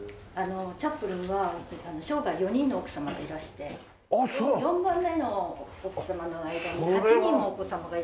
チャップリンは生涯４人の奥様がいらして４番目の奥様の間に８人のお子様がいらっしゃって。